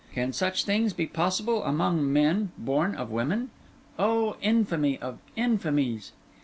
Can such things be possible among men born of women? Oh! infamy of infamies!"